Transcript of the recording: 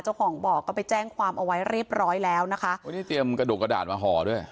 เจ้าของบอกก็ไปแจ้งความเอาไว้เรียบร้อยแล้วนะคะโอ้นี่เตรียมกระดูกกระดาษมาห่อด้วย